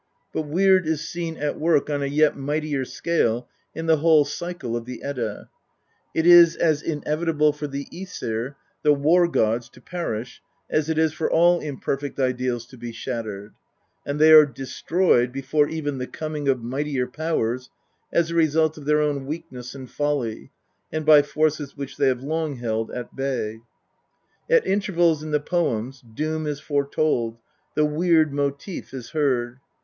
But Weird is seen at work on a yet mightier scale in the whole cycle of the Edda. It is as inevitable for the JEsir, the war gods, to perish as it is for all imperfect ideals to be shattered ; and they are destroyed, before even the coming of mightier powers, as a result of their own weakness and folly, and by forces which they have long held at bay. At intervals in the poems Doom is foretold, the Weird motive is heard.